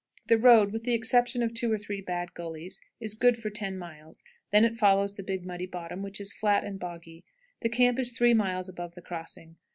The road, with the exception of two or three bad gullies, is good for ten miles; it then follows the Big Muddy bottom, which is flat and boggy. The camp is three miles above the crossing.